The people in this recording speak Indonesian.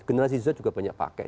generasi juga banyak pakai